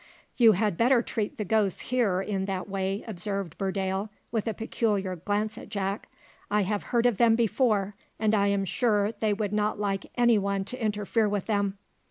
"You had better treat the ghosts here in that way," observed Burdale, with a peculiar glance at Jack; "I have heard of them before, and I am sure they would not like any one to interfere with them."